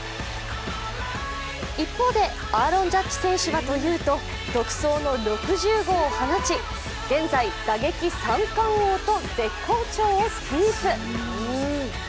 一方でアーロン・ジャッジ選手はというと独走の６０号を放ち現在、打撃３冠王と絶好調をキープ。